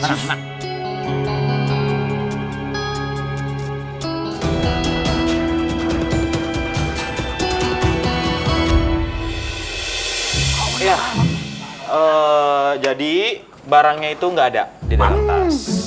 iya jadi barangnya itu nggak ada di dalam tas